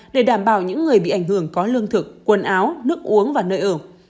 để đảm bảo những người bị ảnh hưởng có lương thực quần áo nước uống và nơi ở